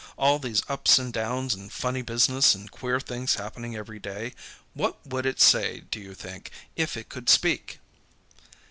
All these ups and downs and funny business and queer things happening every day what would it say, do you think, if it could speak?"